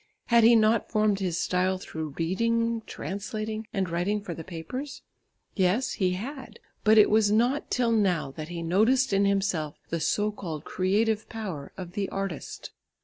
Had he not formed his style through reading, translating and writing for the papers? Yes, he had, but it was not till now that he noticed in himself the so called creative power of the artist.